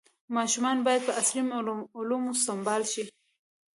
ماشومان باید په عصري علومو سمبال شي.